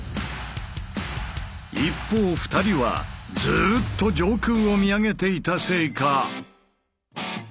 一方２人はずうっと上空を見上げていたせいか。